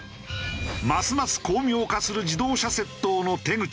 ますます巧妙化する自動車窃盗の手口。